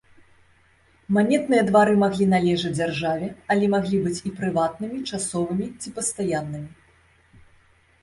Манетныя двары маглі належыць дзяржаве, але маглі быць і прыватнымі, часовымі ці пастаяннымі.